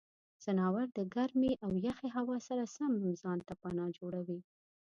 ځناور د ګرمې او یخې هوا سره سم ځان ته پناه جوړوي.